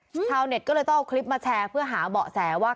ชาวเน็ตก็เลยต้องเอาคลิปมาแชร์เพื่อหาเบาะแสว่า